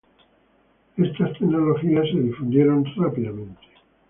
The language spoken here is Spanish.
Estas tecnologías se difundieron rápidamente.